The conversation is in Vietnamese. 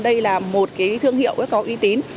đây là một cái thương hiệu có uy tín